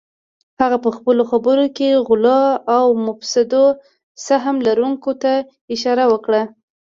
هغه پهخپلو خبرو کې غلو او مفسدو سهم لرونکو ته اشاره وکړه